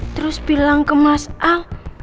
terus bilang ke mas a